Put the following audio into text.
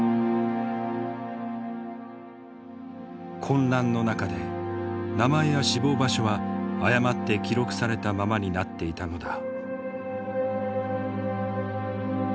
混乱の中で名前や死亡場所は誤って記録されたままになっていたのだ。